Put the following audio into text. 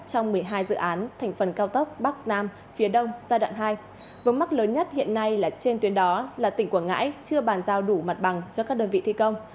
trong một mươi hai dự án thành phần cao tốc bắc nam phía đông giai đoạn hai vốn mắc lớn nhất hiện nay là trên tuyến đó là tỉnh quảng ngãi chưa bàn giao đủ mặt bằng cho các đơn vị thi công